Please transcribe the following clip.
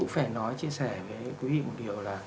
phải nói chia sẻ với quý vị một điều là